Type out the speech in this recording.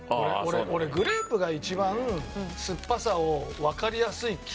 俺グレープが一番すっぱさをわかりやすい気がする。